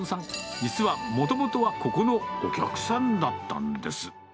実はもともとはここのお客さんだったんです。